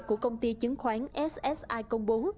của công ty chứng khoán ssi công bố